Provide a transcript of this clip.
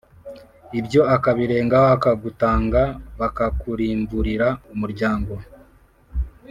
Ibyo akabirengaho akagutanga Bakakurimburira umuryango